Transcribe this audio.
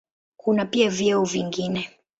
Kuna pia vyeo vingine.